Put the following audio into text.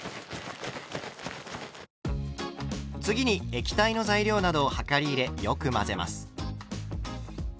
次に液体の材料などを量り入れよく混ぜます。